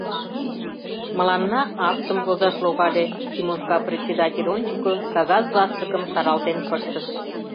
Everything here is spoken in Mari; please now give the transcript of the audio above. Мыланна актым возаш логале, — Тимошка председатель ончыко кагаз ластыкым шаралтен пыштыш.